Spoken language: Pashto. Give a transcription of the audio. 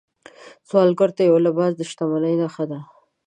سوالګر ته یو لباس د شتمنۍ نښه ده